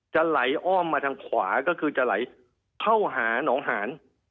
ไหลอ้อมมาทางขวาก็คือจะไหลเข้าหาหนองหาน